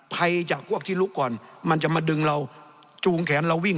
ภัยจากพวกที่ลุกก่อนมันจะมาดึงเราจูงแขนเราวิ่ง